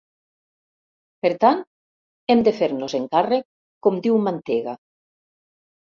Per tant, hem de fer-nos-en càrrec, com diu Mantega.